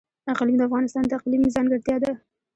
اقلیم د افغانستان د اقلیم ځانګړتیا ده.